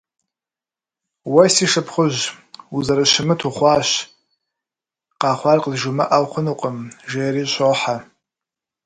Уэ си шыпхъужь, узэрыщымыт ухъуащ: къэхъуар къызжумыӏэу хъунукъым, - жери щохьэ.